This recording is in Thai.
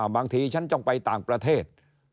บางทีฉันต้องไปต่างประเทศ